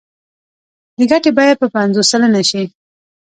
د ګټې بیه به پنځوس سلنه شي